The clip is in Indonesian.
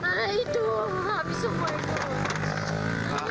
itu habis semua itu